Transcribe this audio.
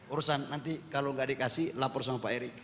urusan nanti kalau gak dikasih lapor sama pak erik